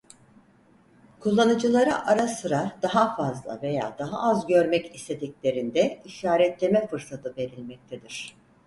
Kullanıcılara ara sıra daha fazla veya daha az görmek istediklerinde işaretleme fırsatı verilmektedir.